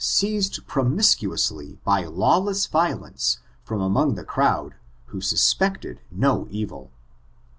247 seized promiscaously by lawless violence from among the crowd, who suspected no evil.